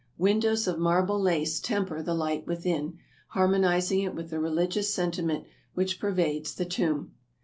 Windows of marble lace temper the light within, harmonizing it with the religious sentiment which pervades the tomb.